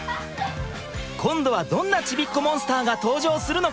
今度はどんなちびっこモンスターが登場するのか？